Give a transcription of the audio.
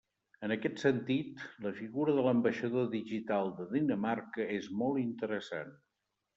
En aquest sentit, la figura de l'ambaixador digital de Dinamarca és molt interessant.